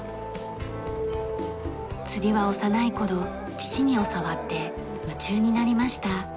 釣りは幼い頃父に教わって夢中になりました。